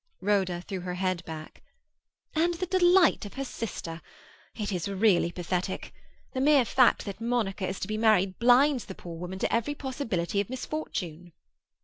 Rhoda threw her head back. "And the delight of her sister! It is really pathetic. The mere fact that Monica is to be married blinds the poor woman to every possibility of misfortune."